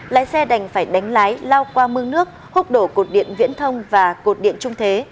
lái xe đành phải đánh lái lao qua mương nước húc đổ cột điện viễn thông và cột điện trung thế